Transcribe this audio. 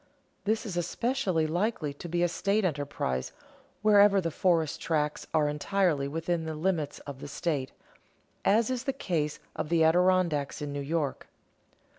This is especially likely to be a state enterprise wherever the forest tracts are entirely within the limits of the state, as is the case of the Adirondacks in New York.